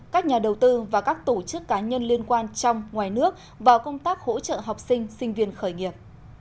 các nhà đầu tư và các tổ chức cá nhân liên quan trong ngoài nước vào công tác hỗ trợ học sinh sinh viên khởi nghiệp